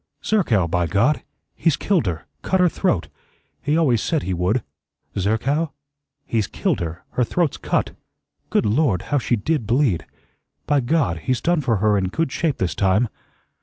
"Zerkow, by God! he's killed her. Cut her throat. He always said he would." "Zerkow?" "He's killed her. Her throat's cut. Good Lord, how she did bleed! By God! he's done for her in good shape this time."